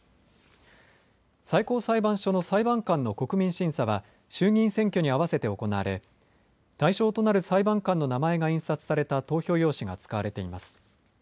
最高裁判所の裁判官の国民審査は衆議院選挙に合わせて行われ対象となる裁判官の名前が印刷された投票用紙が使われています。